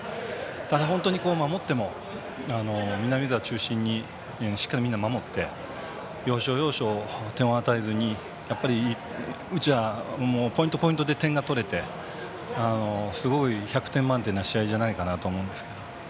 ただ、本当に守っても南澤中心にしっかりみんな守って要所、要所で点を与えずにうちはポイントポイントで点が取れて、１００点満点の試合じゃないかなと思いました。